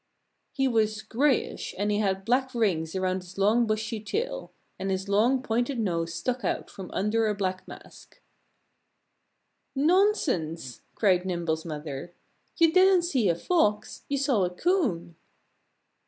"He was grayish and he had black rings around his long bushy tail; and his long pointed nose stuck out from under a black mask." "Nonsense!" cried Nimble's mother. "You didn't see a Fox. You saw a Coon!"